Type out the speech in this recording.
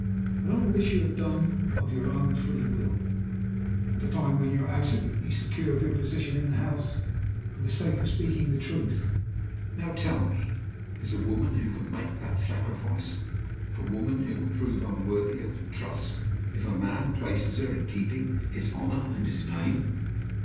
And all this you have done of your own free will at a time when you are absolutely secure of your position in the house for the sake of speaking the truth. Now tell me, is a woman who can make that sacrifice a woman who will prove unworthy of the trust if a man places in her keeping his honor and his name?"